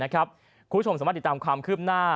คุณผู้ชมสามารถติดตามความคืบหน้า